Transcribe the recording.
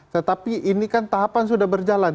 tetapi ini kan tahapan sudah berjalan